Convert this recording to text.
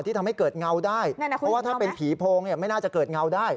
ทำให้เกิดเงาได้เพราะว่าถ้าเป็นผีโพงไม่น่าจะเกิดเงาได้